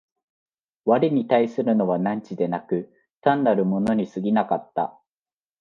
我に対するのは汝でなく、単なる物に過ぎなかった。